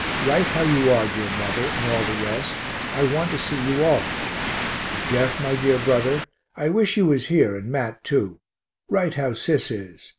Write how you are, dear mother, and all the rest. I want to see you all. Jeff, my dear brother, I wish you was here, and Mat too. Write how Sis is.